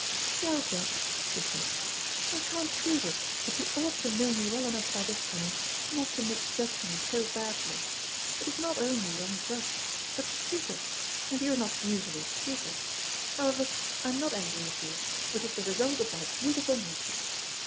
"Well, Jack," she said, "I can't prove it, but you ought to know me well enough by this time not to misjudge me so badly. It is not only unjust but stupid, and you are not usually stupid. However, I am not angry with you, which is the result of my beautiful nature.